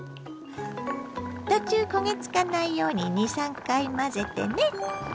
途中焦げつかないように２３回混ぜてね。